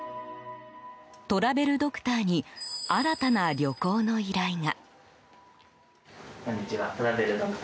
トラベルドクターに新たな旅行の依頼が。